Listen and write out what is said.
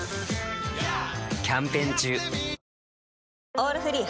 「オールフリー」